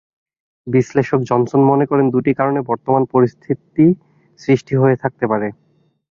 বিশ্লেষক জনসন মনে করেন, দুটি কারণে বর্তমান পরিস্থিতির সৃষ্টি হয়ে থাকতে পারে।